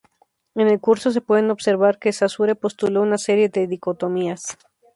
En el "Curso", se puede observar que Saussure postuló una serie de dicotomías.